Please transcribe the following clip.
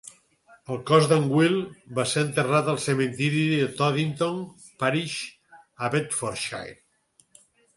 El cos d'en Wild va ser enterrat al cementiri Toddington Parish, a Bedfordshire.